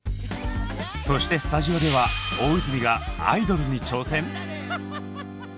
そしてスタジオでは大泉がアイドルに挑戦？